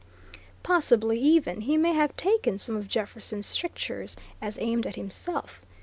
Possibly, even, he may have taken some of Jefferson's strictures as aimed at himself.